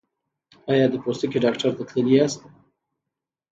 ایا د پوستکي ډاکټر ته تللي یاست؟